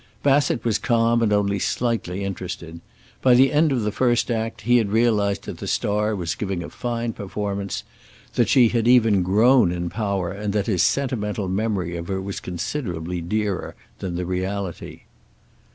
Bassett was calm and only slightly interested. By the end of the first act he had realized that the star was giving a fine performance, that she had even grown in power, and that his sentimental memory of her was considerably dearer than the reality.